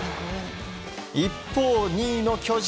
一方、２位の巨人。